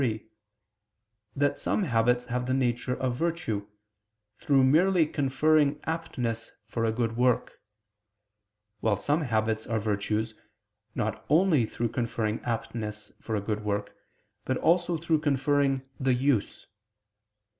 3) that some habits have the nature of virtue, through merely conferring aptness for a good work: while some habits are virtues, not only through conferring aptness for a good work, but also through conferring the use.